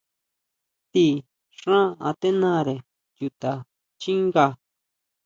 Ti xán atenare chuta xchinga.